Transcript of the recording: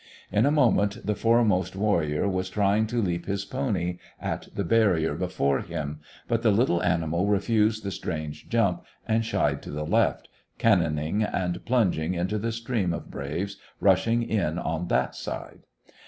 In a moment the foremost warrior was trying to leap his pony at the barrier before him, but the little animal refused the strange jump and shied to the left, cannoning and plunging into the stream of braves rushing in on that side.